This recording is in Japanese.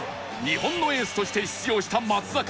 日本のエースとして出場した松坂